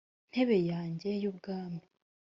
ntebe yanjye y ubwami